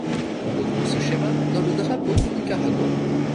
On retrouve ce schéma dans le drapeau du Nicaragua.